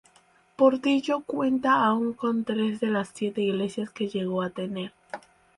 Portillo cuenta aún con tres de las siete iglesias que llegó a tener.